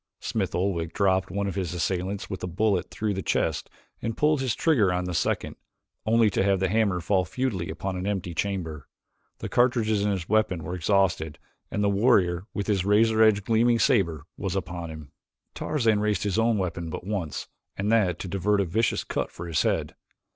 Smith Oldwick dropped one of his assailants with a bullet through the chest and pulled his trigger on the second, only to have the hammer fall futilely upon an empty chamber. The cartridges in his weapon were exhausted and the warrior with his razor edged, gleaming saber was upon him. Tarzan raised his own weapon but once and that to divert a vicious cut for his head.